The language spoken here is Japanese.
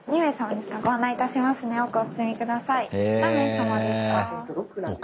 ３名様ですか。